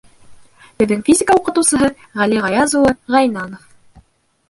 Беҙҙең физика уҡытыусыһы Ғәли Ғаяз улы Ғәйнанов.